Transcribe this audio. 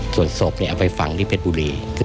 ส่วนศพเอาไปฝังที่เพชรบุรี